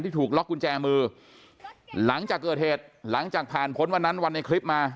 ถูกล็อกกุญแจมือหลังจากเกิดเหตุหลังจากผ่านพ้นวันนั้นวันในคลิปมา